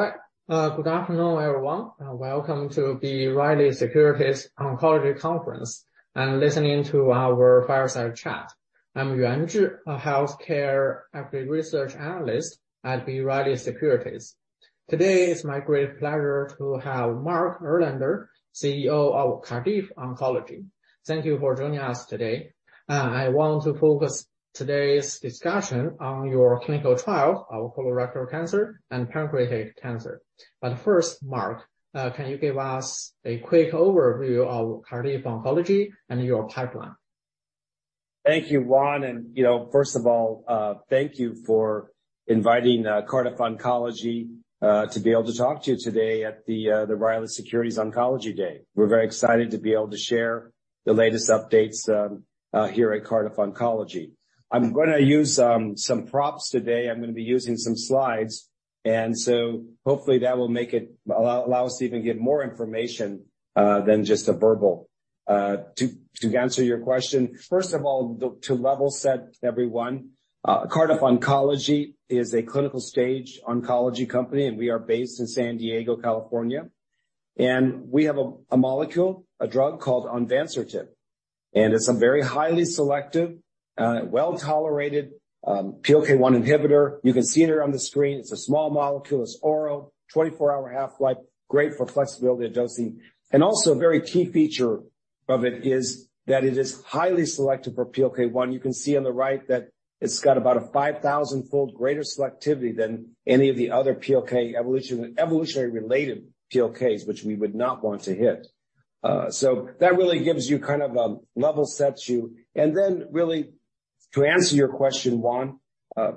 All right. Good afternoon, everyone. Welcome to B. Riley Securities Oncology Conference and listening to our fireside chat. I'm Yuan Zhi, a healthcare equity research analyst at B. Riley Securities. Today, it's my great pleasure to have Mark Erlander, CEO of Cardiff Oncology. Thank you for joining us today. I want to focus today's discussion on your clinical trial of colorectal cancer and pancreatic cancer. First, Mark, can you give us a quick overview of Cardiff Oncology and your pipeline? Thank you, Yuan. You know, first of all, thank you for inviting Cardiff Oncology to be able to talk to you today at the B. Riley Securities Oncology Day. We're very excited to be able to share the latest updates here at Cardiff Oncology. I'm gonna use some props today. I'm gonna be using some slides, and so hopefully that will allow us to even give more information than just a verbal. To answer your question, first of all, to level set everyone, Cardiff Oncology is a clinical stage oncology company. We are based in San Diego, California. We have a molecule, a drug called Onvansertib, and it's a very highly selective, well-tolerated PLK1 inhibitor. You can see it here on the screen. It's a small molecule. It's oral, 24-hour half-life, great for flexibility adjusting. Also a very key feature of it is that it is highly selective for PLK1. You can see on the right that it's got about a 5,000-fold greater selectivity than any of the other PLK evolutionary related PLKs, which we would not want to hit. That really gives you kind of a level sets you. Then really to answer your question, Yuan,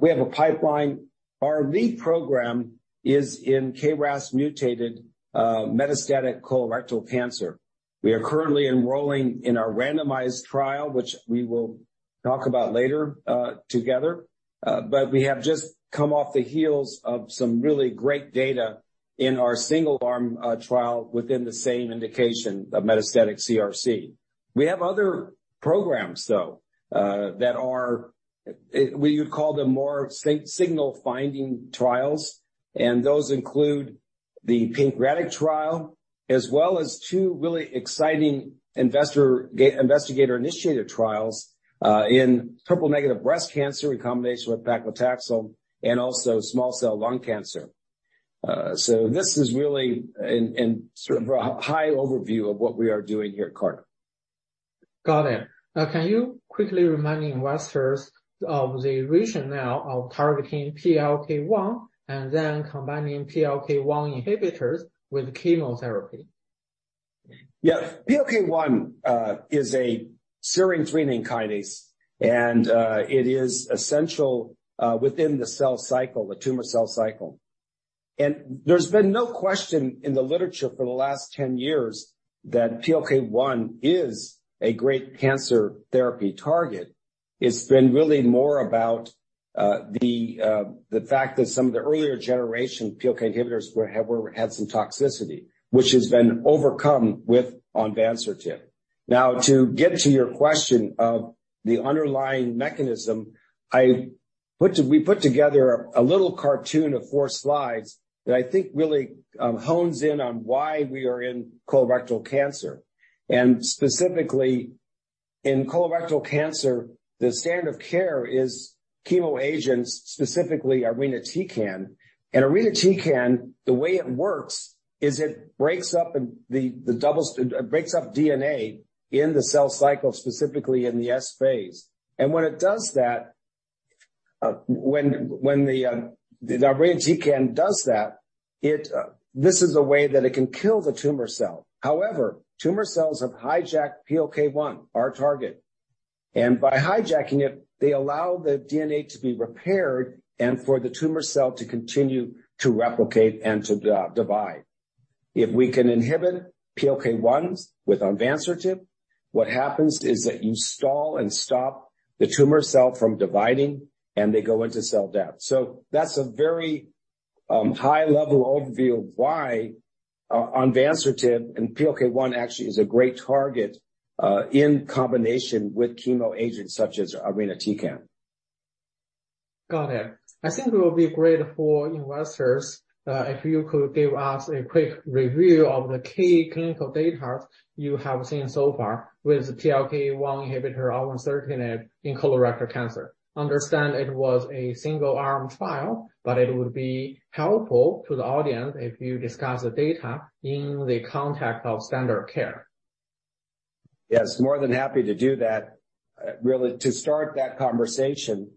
we have a pipeline. Our lead program is in KRAS-mutated, metastatic colorectal cancer. We are currently enrolling in our randomized trial, which we will talk about later, together. We have just come off the heels of some really great data in our single-arm, trial within the same indication of metastatic CRC. We have other programs, though, that are, we would call them more signal finding trials, and those include the pancreatic trial, as well as two really exciting investigator-initiated trials, in triple-negative breast cancer in combination with paclitaxel and also small cell lung cancer. This is really an sort of a high overview of what we are doing here at Cardiff. Got it. Can you quickly remind investors of the rationale of targeting PLK1 and then combining PLK1 inhibitors with chemotherapy? Yeah. PLK1 is a serine/threonine kinase, and it is essential within the cell cycle, the tumor cell cycle. There's been no question in the literature for the last 10 years that PLK1 is a great cancer therapy target. It's been really more about the fact that some of the earlier generation PLK inhibitors had some toxicity, which has been overcome with onvansertib. Now, to get to your question of the underlying mechanism, we put together a little cartoon of four slides that I think really hones in on why we are in colorectal cancer. Specifically in colorectal cancer, the standard care is chemo agents, specifically irinotecan. Irinotecan, the way it works is it breaks up DNA in the cell cycle, specifically in the S phase. When it does that, when the irinotecan does that, this is a way that it can kill the tumor cell. However, tumor cells have hijacked PLK1, our target. By hijacking it, they allow the DNA to be repaired and for the tumor cell to continue to replicate and to divide. If we can inhibit PLK1 with onvansertib, what happens is that you stall and stop the tumor cell from dividing, and they go into cell death. That's a very high level overview of why onvansertib and PLK1 actually is a great target in combination with chemo agents such as irinotecan. Got it. I think it will be great for investors, if you could give us a quick review of the key clinical data you have seen so far with PLK1 inhibitor onvansertib in colorectal cancer. Understand it was a single-arm trial. It would be helpful to the audience if you discuss the data in the context of standard care. Yes, more than happy to do that. Really, to start that conversation,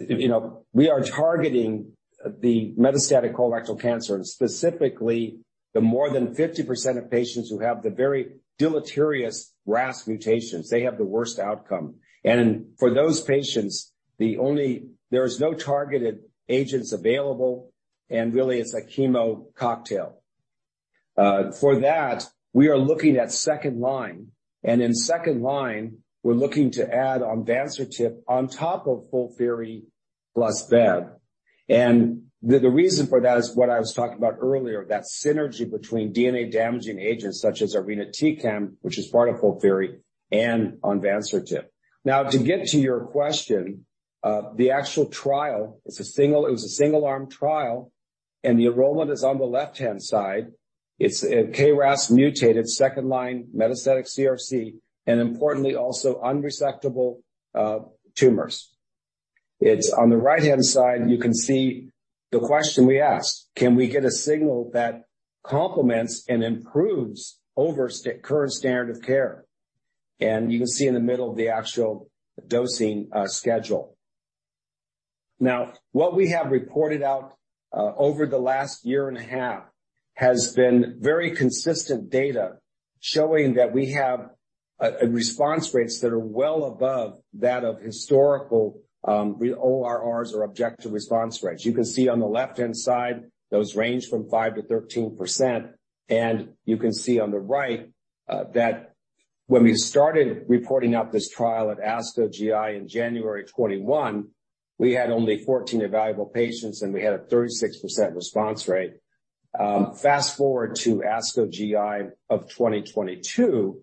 you know, we are targeting the metastatic colorectal cancer and specifically the more than 50% of patients who have the very deleterious RAS mutations. They have the worst outcome. For those patients, there's no targeted agents available, and really it's a chemo cocktail. For that, we are looking at second line, and in second line we're looking to add onvansertib on top of FOLFIRI plus bev. The reason for that is what I was talking about earlier, that synergy between DNA-damaging agents such as irinotecan, which is part of FOLFIRI, and onvansertib. To get to your question. The actual trial, it was a single-arm trial, and the enrollment is on the left-hand side. It's KRAS mutated second-line metastatic CRC, and importantly, also unresectable tumors. It's on the right-hand side, you can see the question we ask. Can we get a signal that complements and improves over current standard of care? You can see in the middle of the actual dosing schedule. Now, what we have reported out over the last year and a half has been very consistent data showing that we have a response rates that are well above that of historical ORRs or objective response rates. You can see on the left-hand side, those range from 5%-13%, you can see on the right that when we started reporting out this trial at ASCO GI in January 2021, we had only 14 evaluable patients, and we had a 36% response rate. Fast-forward to ASCO GI of 2022,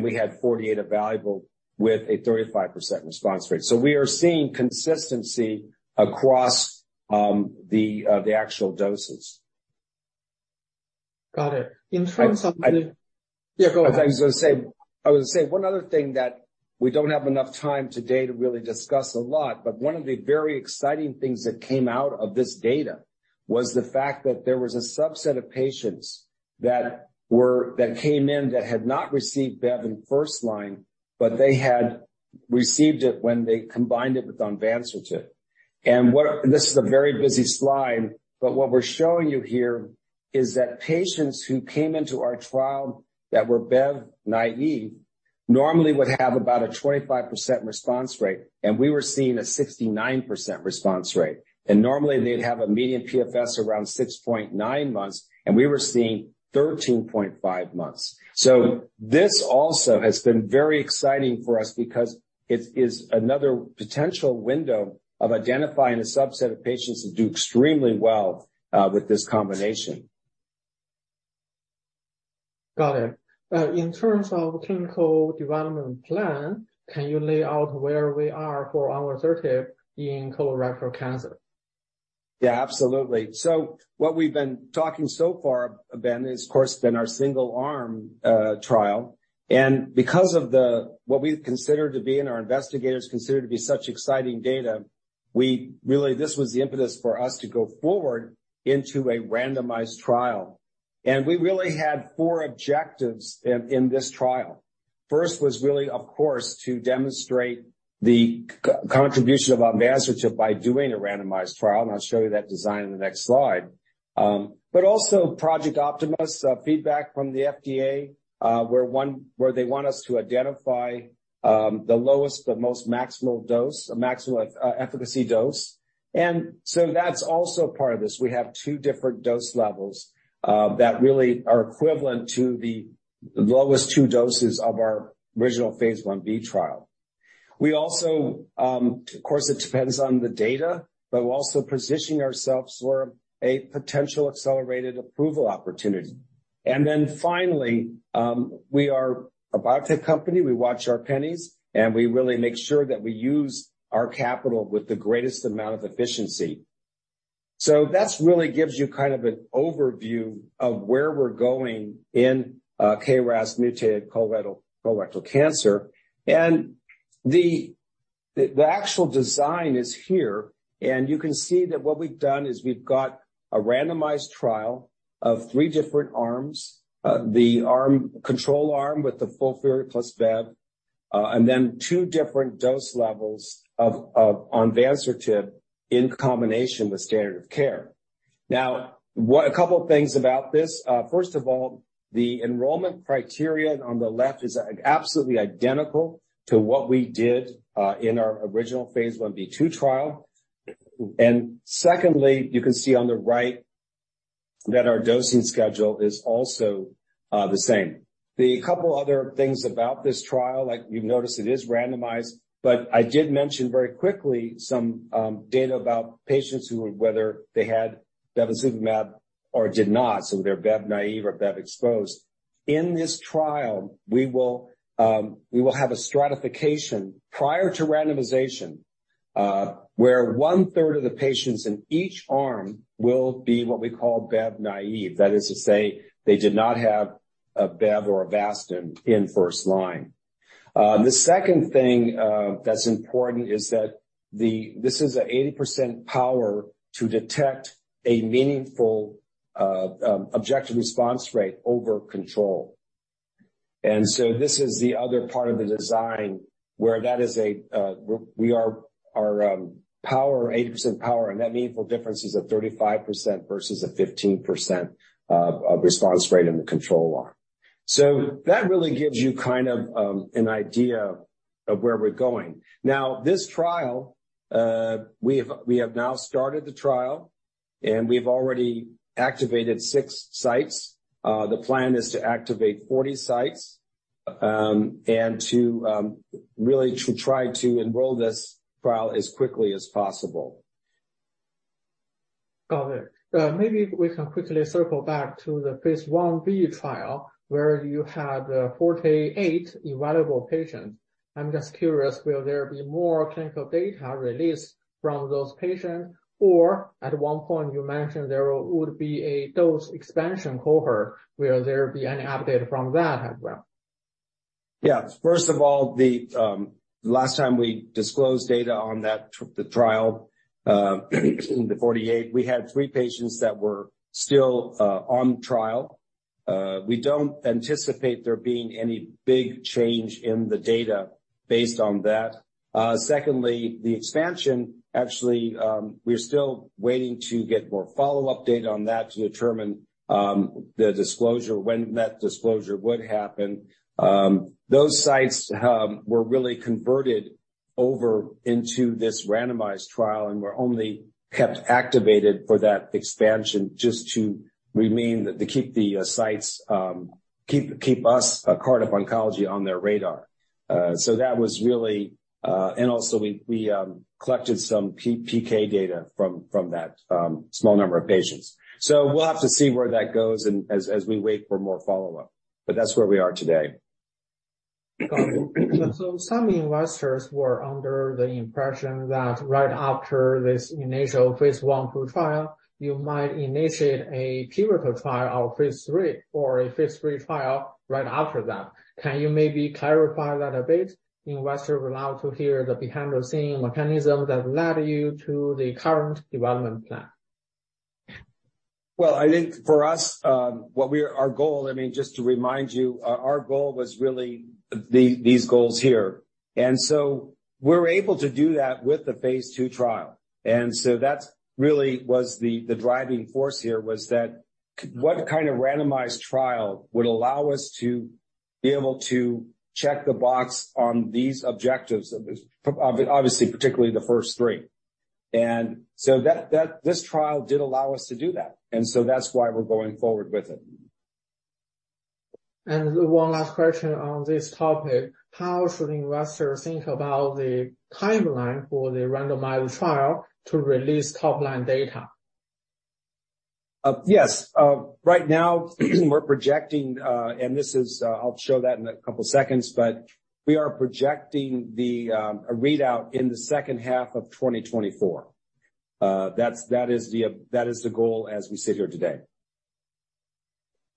we had 48 evaluable with a 35% response rate. We are seeing consistency across the actual doses. Got it. In terms of the- I, I... Yeah, go ahead. I was gonna say one other thing that we don't have enough time today to really discuss a lot, but one of the very exciting things that came out of this data was the fact that there was a subset of patients that came in that had not received bev in first line, but they had received it when they combined it with onvansertib. This is a very busy slide, but what we're showing you here is that patients who came into our trial that were bev-naive normally would have about a 25% response rate, and we were seeing a 69% response rate. Normally, they'd have a median PFS around 6.9 months, and we were seeing 13.5 months. This also has been very exciting for us because it is another potential window of identifying a subset of patients that do extremely well, with this combination. Got it. In terms of clinical development plan, can you lay out where we are for onvansertib in colorectal cancer? What we've been talking so far, Ben, is of course been our single-arm trial. Because of what we consider to be and our investigators consider to be such exciting data, this was the impetus for us to go forward into a randomized trial. We really had four objectives in this trial. First was really, of course, to demonstrate the contribution of onvansertib by doing a randomized trial, and I'll show you that design in the next slide. Also Project Optimus feedback from the FDA, where they want us to identify the lowest but most maximal dose or maximal efficacy dose. That's also part of this. We have two different dose levels that really are equivalent to the lowest two doses of our original Phase 1b trial. We also, of course it depends on the data, but we're also positioning ourselves for a potential accelerated approval opportunity. Finally, we are a biotech company. We watch our pennies, and we really make sure that we use our capital with the greatest amount of efficiency. That's really gives you kind of an overview of where we're going in KRAS-mutated colorectal cancer. The actual design is here, and you can see that what we've done is we've got a randomized trial of three different arms. The control arm with the FOLFIRI plus bev, and then two different dose levels of onvansertib in combination with standard of care. Now, a couple things about this. First of all, the enrollment criterion on the left is absolutely identical to what we did in our original phase 1b 2 trial. Secondly, you can see on the right that our dosing schedule is also the same. The couple other things about this trial, like you've noticed it is randomized, but I did mention very quickly some data about patients who were whether they had bevacizumab or did not, so they're bev naive or bev exposed. In this trial, we will have a stratification prior to randomization, where one-third of the patients in each arm will be what we call bev naive. That is to say they did not have a bev or Avastin in first line. The second thing that's important is that this is a 80% power to detect a meaningful objective response rate over control. This is the other part of the design where that is a, we are our power, 80% power, and that meaningful difference is a 35% versus a 15% of response rate in the control arm. That really gives you kind of an idea of where we're going. This trial, we have now started the trial, and we've already activated six sites. The plan is to activate 40 sites and to really to try to enroll this trial as quickly as possible. Got it. Maybe we can quickly circle back to the Phase 1b trial where you had 48 evaluable patients. I'm just curious, will there be more clinical data released from those patients? At one point you mentioned there would be a dose expansion cohort. Will there be any update from that as well? Yeah. First of all, the last time we disclosed data on that trial, the 48, we had three patients that were still on trial. We don't anticipate there being any big change in the data based on that. Secondly, the expansion actually, we're still waiting to get more follow-up data on that to determine the disclosure when that disclosure would happen. Those sites were really converted over into this randomized trial, and were only kept activated for that expansion just to remain to keep the sites, keep us, Cardiff Oncology, on their radar. So that was really. Also we collected some PK data from that small number of patients. We'll have to see where that goes and as we wait for more follow-up, but that's where we are today. Got it. Some investors were under the impression that right after this initial phase 1/2 trial, you might initiate a pivotal trial of phase III or a phase III trial right after that. Can you maybe clarify that a bit? Investors would love to hear the behind-the-scene mechanism that led you to the current development plan. Well, I think for us, our goal, I mean, just to remind you, our goal was really these goals here. We're able to do that with the phase II trial. That's really was the driving force here was what kind of randomized trial would allow us to be able to check the box on these objectives, obviously, particularly the first three. This trial did allow us to do that, and so that's why we're going forward with it. One last question on this topic. How should investors think about the timeline for the randomized trial to release top-line data? Yes. Right now, we're projecting, and this is, I'll show that in a couple seconds, but we are projecting the, a readout in the second half of 2024. That's, that is the goal as we sit here today.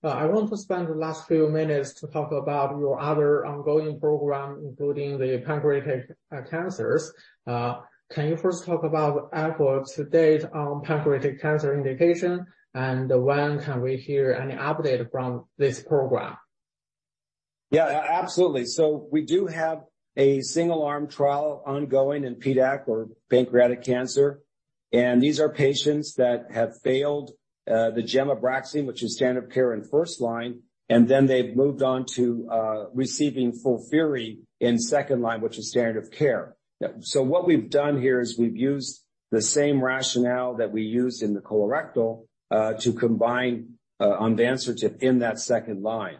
I want to spend the last few minutes to talk about your other ongoing program, including the pancreatic cancers. Can you first talk about efforts to date on pancreatic cancer indication, and when can we hear any update from this program? Absolutely. We do have a single-arm trial ongoing in PDAC or pancreatic cancer. These are patients that have failed the Gem-Abraxane, which is standard of care in first line, and then they've moved on to receiving FOLFIRI in second line, which is standard of care. What we've done here is we've used the same rationale that we used in the colorectal to combine onvansertib in that second line.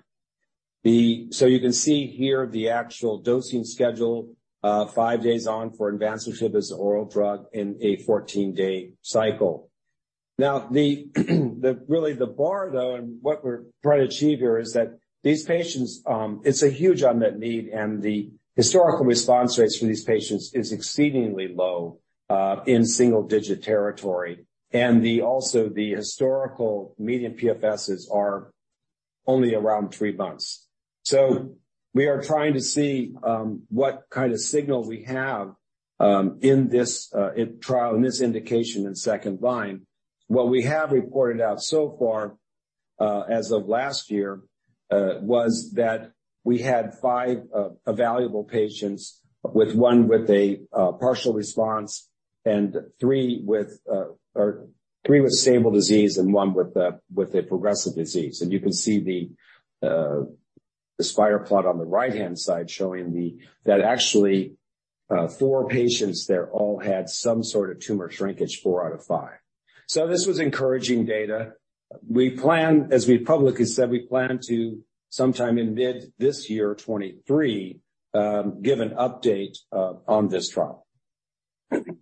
You can see here the actual dosing schedule, five days on for onvansertib as an oral drug in a 14-day cycle. The really the bar, though, and what we're trying to achieve here is that these patients, it's a huge unmet need, and the historical response rates for these patients is exceedingly low in single-digit territory. The also, the historical median PFSs are only around three months. We are trying to see what kind of signal we have in this trial, in this indication in second line. What we have reported out so far, as of last year, was that we had five evaluable patients with one with a partial response and three with stable disease and one with a progressive disease. You can see the the spider plot on the right-hand side showing that actually four patients there all had some sort of tumor shrinkage, four out of five. This was encouraging data. We plan, as we've publicly said, we plan to sometime in mid this year, 2023, give an update on this trial.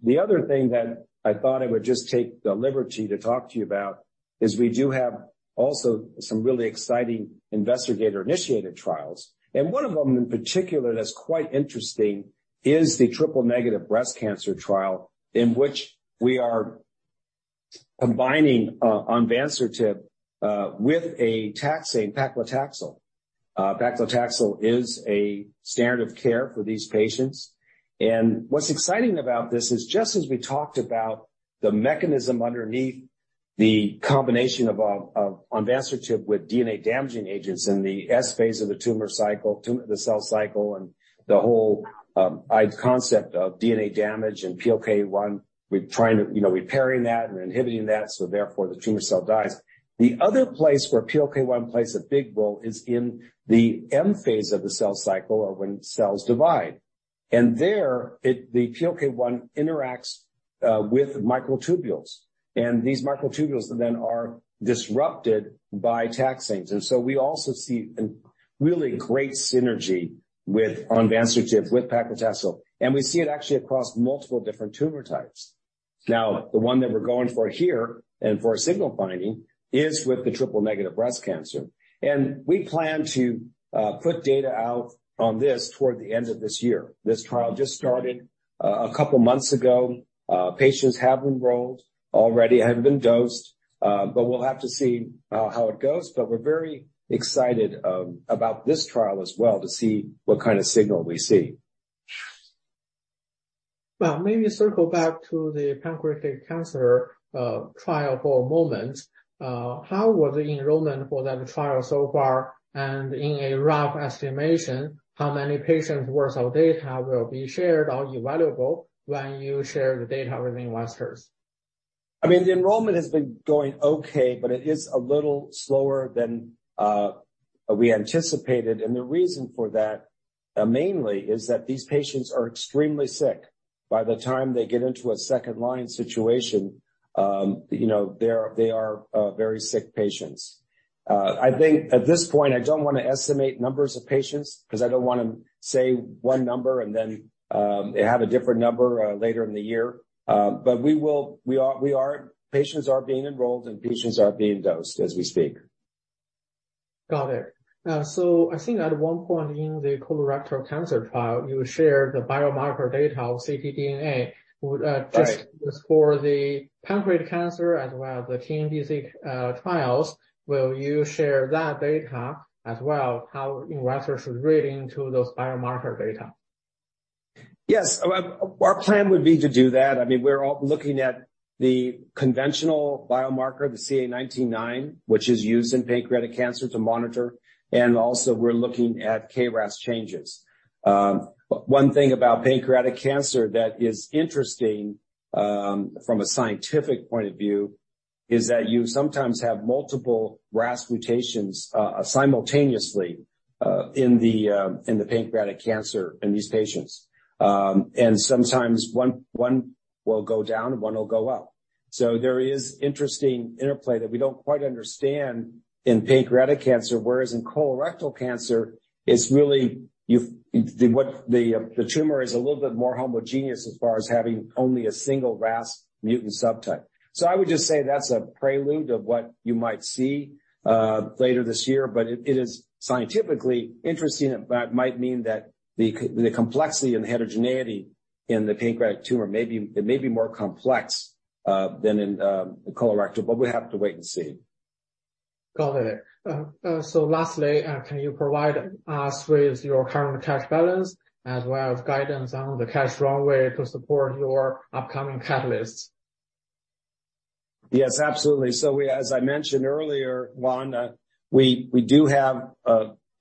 The other thing that I thought I would just take the liberty to talk to you about is we do have also some really exciting investigator-initiated trials. One of them in particular that's quite interesting is the triple-negative breast cancer trial in which we are combining onvansertib with a taxane paclitaxel. Paclitaxel is a standard of care for these patients. What's exciting about this is just as we talked about the mechanism underneath the combination of onvansertib with DNA-damaging agents in the S phase of the tumor cycle, the cell cycle and the whole concept of DNA damage and PLK1, we're trying to, you know, repairing that and inhibiting that, so therefore the tumor cell dies. The other place where PLK1 plays a big role is in the M phase of the cell cycle or when cells divide. There the PLK1 interacts with microtubules, these microtubules are disrupted by taxanes. We also see a really great synergy with onvansertib with paclitaxel, we see it actually across multiple different tumor types. The one that we're going for here and for a signal finding is with the triple-negative breast cancer. We plan to put data out on this toward the end of this year. This trial just started a couple months ago. Patients have enrolled already, have been dosed, we'll have to see how it goes. We're very excited about this trial as well to see what kind of signal we see. Well, maybe circle back to the pancreatic cancer trial for a moment. How was the enrollment for that trial so far? In a rough estimation, how many patients' worth of data will be shared or evaluable when you share the data with investors? I mean, the enrollment has been going okay, but it is a little slower than we anticipated. The reason for that, mainly, is that these patients are extremely sick. By the time they get into a second-line situation, you know, they are very sick patients. I think at this point, I don't wanna estimate numbers of patients because I don't wanna say one number and then, have a different number later in the year. patients are being enrolled, and patients are being dosed as we speak. Got it. I think at one point in the colorectal cancer trial, you shared the biomarker data of ctDNA. Right. Just for the pancreatic cancer as well as the TNBC trials, will you share that data as well, how investors should read into those biomarker data? Yes. Our, our plan would be to do that. I mean, we're all looking at the conventional biomarker, the CA 19-9, which is used in pancreatic cancer to monitor, and also we're looking at KRAS changes. One thing about pancreatic cancer that is interesting, from a scientific point of view is that you sometimes have multiple RAS mutations, simultaneously, in the, in the pancreatic cancer in these patients. Sometimes one will go down and one will go up. There is interesting interplay that we don't quite understand in pancreatic cancer, whereas in colorectal cancer, it's really the tumor is a little bit more homogeneous as far as having only a single RAS mutant subtype. I would just say that's a prelude of what you might see later this year, but it is scientifically interesting. It might mean that the complexity and heterogeneity in the pancreatic tumor it may be more complex than in colorectal, we have to wait and see. Got it. Lastly, can you provide us with your current cash balance as well as guidance on the cash runway to support your upcoming catalysts? Yes, absolutely. As I mentioned earlier, Yuan, we do have,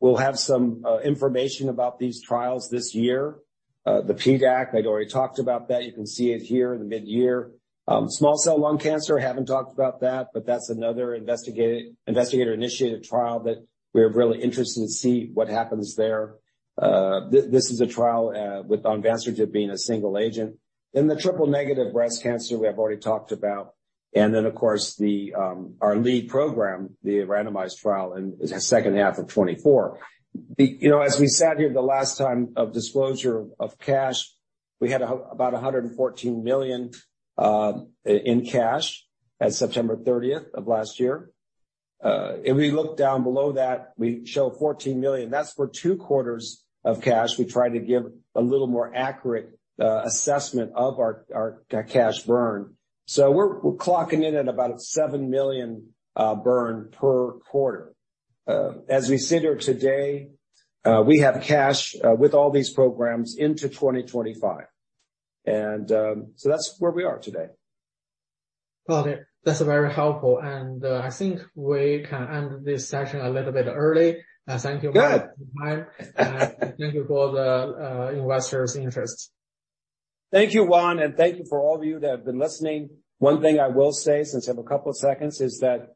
we'll have some information about these trials this year. The PDAC, I'd already talked about that. You can see it here in the mid-year. Small cell lung cancer, I haven't talked about that, but that's another investigator-initiated trial that we're really interested to see what happens there. This is a trial with onvansertib being a single agent. The triple negative breast cancer, we have already talked about. Of course, the, our lead program, the randomized trial in the second half of 2024. You know, as we sat here the last time of disclosure of cash, we had about $114 million in cash as September 30th of last year. If we look down below that, we show $14 million. That's for two quarters of cash. We try to give a little more accurate assessment of our cash burn. We're clocking in at about $7 million burn per quarter. As we sit here today, we have cash with all these programs into 2025. That's where we are today. Got it. That's very helpful. I think we can end this session a little bit early. Thank you very much for your time. Good. Thank you for the investors' interest. Thank you, Yuan. Thank you for all of you that have been listening. One thing I will say, since I have a couple seconds, is that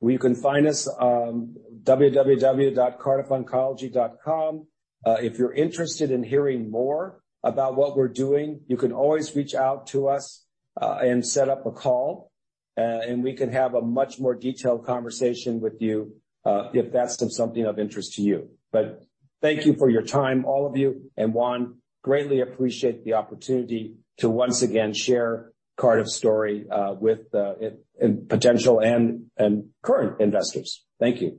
you can find us on www.cardiffoncology.com. If you're interested in hearing more about what we're doing, you can always reach out to us and set up a call, and we can have a much more detailed conversation with you if that's something of interest to you. Thank you for your time, all of you, Yuan, greatly appreciate the opportunity to once again share Cardiff's story with potential and current investors. Thank you.